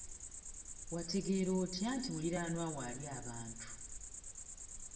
Wategeera otya nti muliraanwa wo alya abantu?